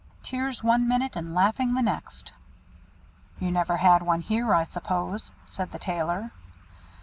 Tears one minute, and laughing the next." "You never had one here, I suppose?" said the Tailor.